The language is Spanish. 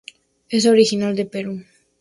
Es originaria del Perú.